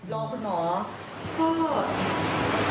รอคุณหมอ